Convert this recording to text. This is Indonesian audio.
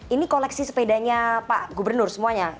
ini koleksi sepedanya pak gubernur semuanya